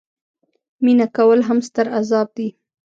مینه کول هم ستر عذاب دي.